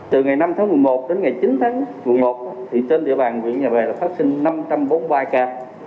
từ ngày năm tháng một mươi một đến ngày chín tháng một trên địa bàn huyện nhà bè là vaccine năm trăm bốn mươi ba ca